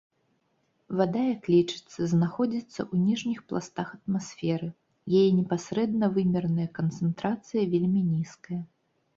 Вада, як лічыцца, знаходзіцца ў ніжніх пластах атмасферы, яе непасрэдна вымераная канцэнтрацыя вельмі нізкая.